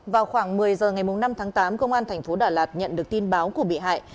vào khoảng một mươi h ngày năm tháng tám công an thành phố đà lạt nhận được tin báo của bị hại